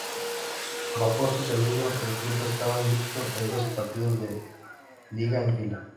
Bajo su servicio, el club estaba invicto en doce partidos de Liga en fila.